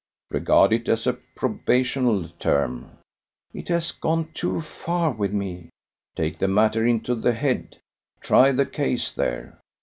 "Regard it as a probational term." "It has gone too far with me." "Take the matter into the head: try the case there."